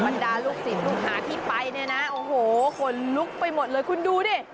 บรรดาลูกศิษย์ลูกหาที่ไปเนี่ยนะโอ้โหคนลุกไปหมดเลยคุณดูดิ